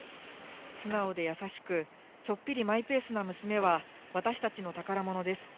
素直で優しく、ちょっぴりマイペースな娘は、私たちの宝物です。